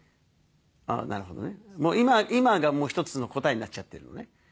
あなるほどね。今がもう一つの答えになっちゃってるのね。